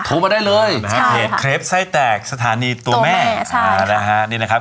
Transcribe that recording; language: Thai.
โทรมาได้เลยใช่ค่ะเคร็บไส้แตกสถานีตัวแม่ตัวแม่ใช่ค่ะนี่นะครับ